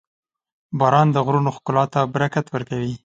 • باران د غرونو ښکلا ته برکت ورکوي.